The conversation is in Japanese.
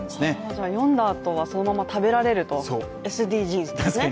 じゃあ読んだあとはそのまま食べられるとＳＤＧｓですね。